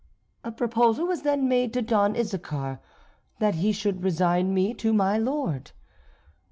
A proposal was then made to Don Issachar that he should resign me to my lord.